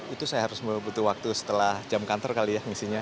itu saya harus membutuhkan waktu setelah jam kantor kali ya misinya